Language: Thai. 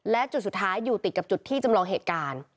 และจุดสุดท้ายอยู่ติดกับจุดที่จำลองเหตุการณ์